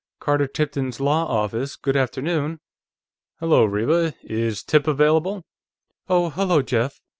"Carter Tipton's law office; good afternoon." "Hello, Rheba; is Tip available?" "Oh, hello, Jeff.